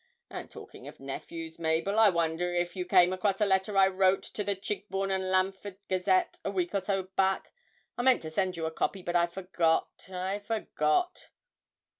And, talking of nephews, Mabel, I wonder if you came across a letter I wrote to the "Chigbourne and Lamford Gazette," a week or so back I meant to send you a copy, but I forgot I forgot.'